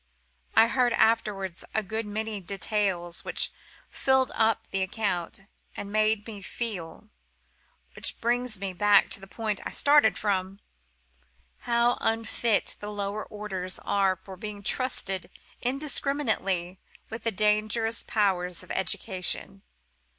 I heard afterwards a good many details, which filled up the account, and made me feel—which brings me back to the point I started from—how unfit the lower orders are for being trusted indiscriminately with the dangerous powers of education.